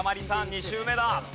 ２周目だ。